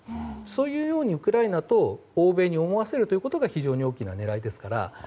そういうようにウクライナと欧米に思わせることが非常に大きな狙いですから。